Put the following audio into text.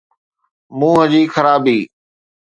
منهن جي خرابي.